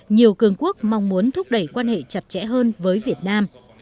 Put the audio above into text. nhiều cường quốc mong muốn thúc đẩy quan hệ chặt chẽ hơn với việt nam